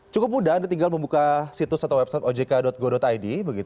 cukup mudah anda tinggal membuka situs atau website ojk go id